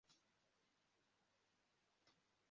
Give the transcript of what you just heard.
abantu bahagaze kumugezi usimbuka kamera